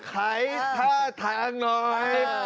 ขอให้แก้ไขธาตร์ทางน้อย